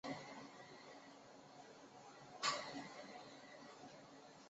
三部作品是以倒叙的方式讲述整个系列。